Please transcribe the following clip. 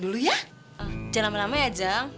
jangan lama lama ya jeng